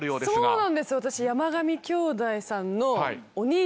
そうなんです